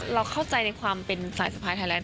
เราเข้าใจในความเป็นสายสะพายไทยแลน